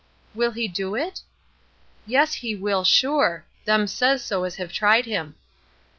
'Will he do it?' 'Yes, he will sure. Them says so as have tried him.'